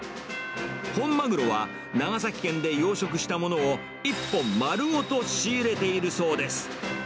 本マグロは長崎県で養殖したものを１本丸ごと仕入れているそうです。